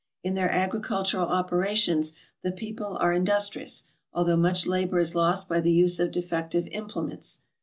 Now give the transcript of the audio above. In their agricultural operations the people are in dustrious, although much labor is lost by the use of defective implements.